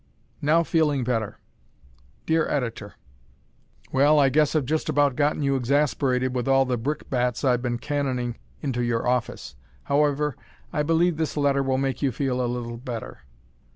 Now Feeling Better Dear Editor: Well, I guess I've just about gotten you exasperated with all the brickbats I've been cannoning into your office. However, I believe this letter will make you feel a little better.